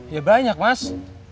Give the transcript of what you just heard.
ya banyak mas